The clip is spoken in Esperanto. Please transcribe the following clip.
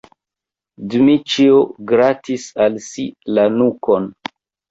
Dmiĉjo gratis al si la nukon.